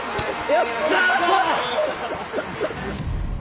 やった！